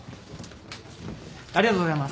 ありがとうございます。